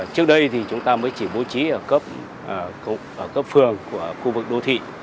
trước đây thì chúng ta mới chỉ bố trí ở cấp phường của khu vực đô thị